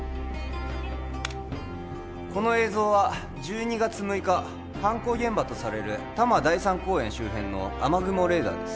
この映像は１２月６日犯行現場とされる多摩第三公園周辺の雨雲レーダーです